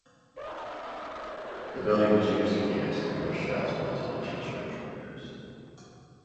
The building was used for the exterior shots for the television show "Traders".